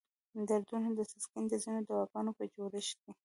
د دردونو د تسکین د ځینو دواګانو په جوړښت کې.